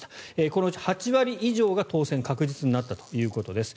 このうち８割以上が当選確実になったということです。